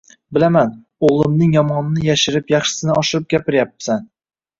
– Bilaman, o‘g‘limning yomonini yashirib, yaxshisini oshirib gapiryapsan